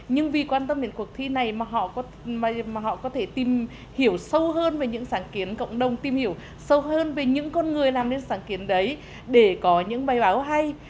nhưng vì quan tâm đến cuộc thi này mà họ có thể tìm hiểu sâu hơn về những sáng kiến cộng đồng tìm hiểu sâu hơn về những con người làm nên sáng kiến đấy để có những bài báo hay